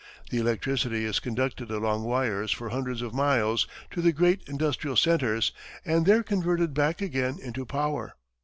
The electricity is conducted along wires for hundreds of miles to the great industrial centres, and there converted back again into power.